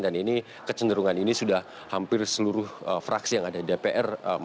dan ini kecenderungan ini sudah hampir seluruh fraksi yang ada dpr